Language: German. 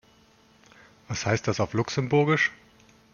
Was heißt das auf Luxemburgisch?